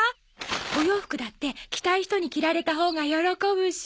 お洋服だって着たい人に着られたほうが喜ぶし。